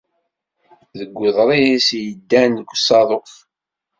Deg uḍris i d-yeddan deg usaḍuf.